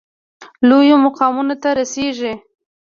لویو مقامونو ته رسیږي.